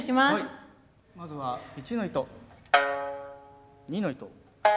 まずは１の糸２の糸３の糸。